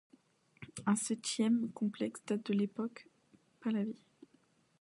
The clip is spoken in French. Un septieme complexe date de l’époque pahlavi.